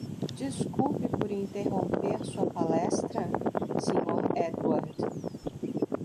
Desculpe por interromper sua palestra?, senhor Edward.